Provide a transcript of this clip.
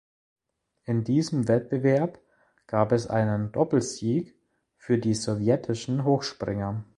In diesem Wettbewerb gab es einen Doppelsieg für die sowjetischen Hochspringer.